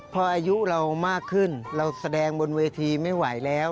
พออายุเรามากขึ้นเราแสดงบนเวทีไม่ไหวแล้ว